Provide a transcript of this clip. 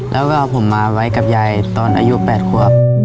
แล้วก็เอาผมมาไว้กับยายตอนอายุ๘ควบ